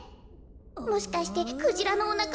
もしかしてクジラのおなかのなか？